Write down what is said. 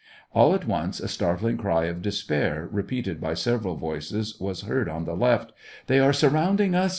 All at once a startling cry of despair, repeated by several voices, was heard on the left :" They are surrounding us